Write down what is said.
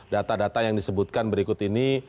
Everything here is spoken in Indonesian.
data data yang disebutkan berikut ini